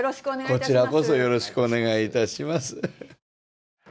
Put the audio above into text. こちらこそよろしくお願いいたします。